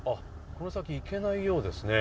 この先、行けないようですね。